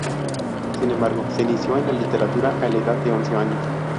Sin embargo, se inició en la literatura a la edad de once años.